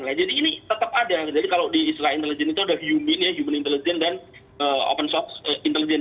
nah jadi ini tetap ada jadi kalau di istilah intelijen itu ada human intelijen dan open source intelijen